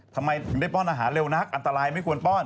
ทำไมถึงได้ป้อนอาหารเร็วนักอันตรายไม่ควรป้อน